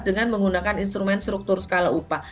dengan menggunakan instrumen struktur skala upah